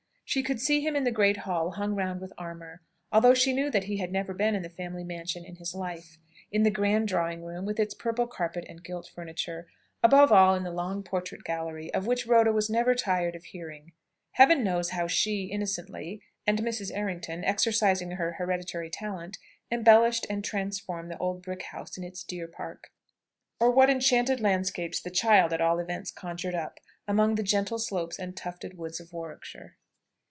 She could see him in the great hall hung round with armour; although she knew that he had never been in the family mansion in his life; in the grand drawing room, with its purple carpet and gilt furniture; above all, in the long portrait gallery, of which Rhoda was never tired of hearing. Heaven knows how she, innocently, and Mrs. Errington, exercising her hereditary talent, embellished and transformed the old brick house in its deer park; or what enchanted landscapes the child at all events conjured up, among the gentle slopes and tufted woods of Warwickshire!